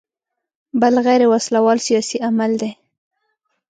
بل غیر وسله وال سیاسي عمل دی.